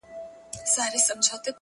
• سل سهاره جاروم له دې ماښامه,